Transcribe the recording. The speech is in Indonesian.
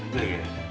masuk ke labu